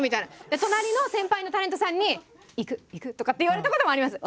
で隣の先輩タレントさんに「いくいく」とかって言われたこともあります。